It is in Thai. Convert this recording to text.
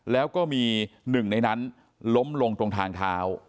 แล้วก็มีหนึ่งในนั้นล้มลงตรงทางเท้า